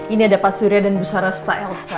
ini ada pak surya dan bu sarah seta elsa